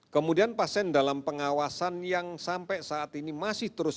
kemudian pasien dalam pengawasan yang sampai saat ini masih terus